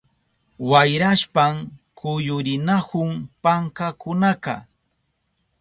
Wayrashpan kuyurinahun pankakunaka.